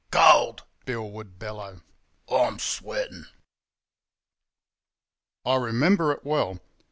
'Cold!' Bill would bellow, 'I'm sweatin'!' "I remember it well.